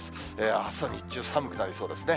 あすは日中、寒くなりそうですね。